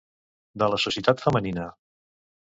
De la societat femenina.